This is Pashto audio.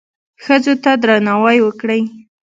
ښځو ته درناوی وکړئ